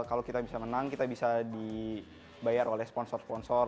kalau kita bisa menang kita bisa dibayar oleh sponsor sponsor